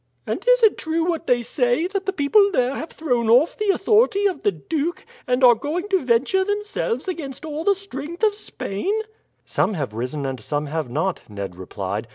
"And is it true what they say, that the people there have thrown off the authority of the duke, and are going to venture themselves against all the strength of Spain?" "Some have risen and some have not," Ned replied.